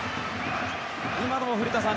今のも、古田さん